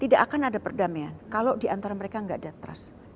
tidak akan ada perdamaian kalau diantara mereka tidak ada trust